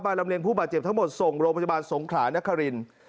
ลำเลียงผู้บาดเจ็บทั้งหมดส่งโรงพยาบาลสงขลานครินทร์